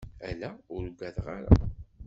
Ala, ur ugadeɣ ara.